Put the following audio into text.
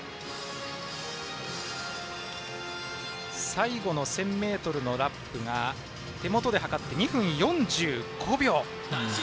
最後の１０００ｍのラップが手元で計って２分４５秒。